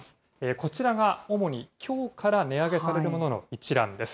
こちらが主にきょうから値上げされるものの一覧です。